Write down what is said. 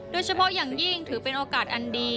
โดยเฉพาะอย่างยิ่งถือเป็นโอกาสอันดี